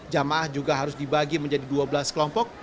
jamaah juga harus dibagi menjadi dua belas kelompok